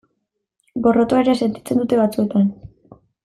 Gorrotoa ere sentitzen dute batzuetan.